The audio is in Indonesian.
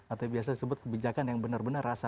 atau biasa disebut kebijakan yang benar benar rasa